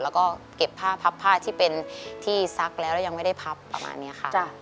แล้วก็เก็บผ้าพับผ้าที่เป็นที่ซักแล้วแล้วยังไม่ได้พับประมาณนี้ค่ะ